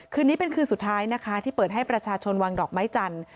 คืนนี้เป็นคืนสุดท้ายนะคะที่เปิดให้ประชาชนวางดอกไม้จันทร์